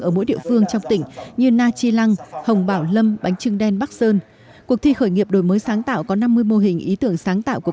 ở mỗi địa phương trong tỉnh như